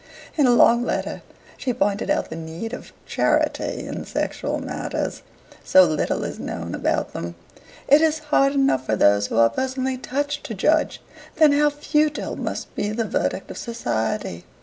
In a long letter she pointed out the need of charity in sexual matters: so little is known about them; it is hard enough for those who are personally touched to judge; then how futile must be the verdict of Society.